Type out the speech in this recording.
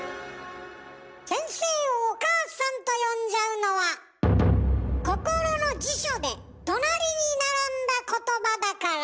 先生をお母さんと呼んじゃうのは心の辞書で隣に並んだ言葉だから。